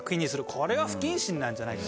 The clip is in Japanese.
これは不謹慎なんじゃないか。